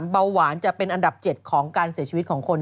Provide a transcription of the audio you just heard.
เบาหวานจะเป็นอันดับ๗ของการเสียชีวิตของคน